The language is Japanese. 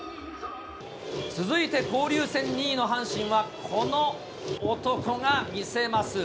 続いて交流戦２位の阪神は、この男が見せます。